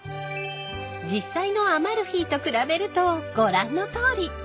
［実際のアマルフィと比べるとご覧のとおり］